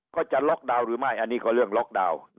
ก็จะล็อกดาวน์หรือไม่อันนี้ก็เรื่องล็อกดาวน์